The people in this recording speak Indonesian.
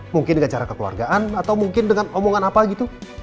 mungkin dengan cara kekeluargaan atau mungkin dengan omongan apa gitu